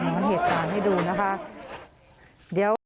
เห็นเหตุการณ์ให้ดูนะคะเดี๋ยว